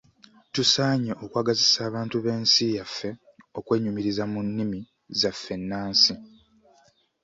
Tusaanye okwagazisa abantu b'ensi yaffe okwenyumiriza mu nnimi zaffe ennansi.